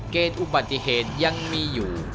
เกณฑ์อุบัติเหตุยังมีอยู่